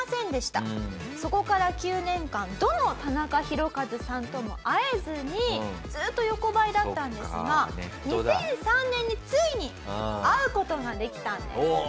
そこから９年間どの田中宏和さんとも会えずにずっと横ばいだったんですが２００３年についに会う事ができたんです。